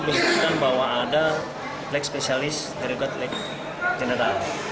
tadi berkata bahwa ada leg spesialis dari leg jenderal